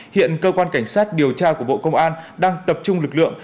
hiện cơ quan cảnh sát điều tra của bộ công an đang tập trung lực lượng